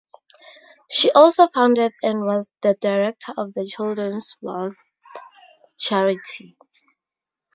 She also founded and was the director of the Children's World charity.